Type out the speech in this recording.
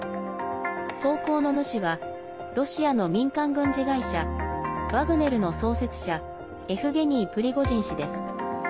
投稿の主はロシアの民間軍事会社ワグネルの創設者エフゲニー・プリゴジン氏です。